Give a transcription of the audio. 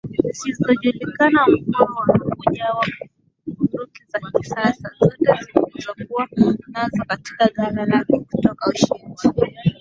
zisizojulikana Mkwawa hakugawa bunduki za kisasa zote alizokuwa nazo katika ghala yake kutoka ushindi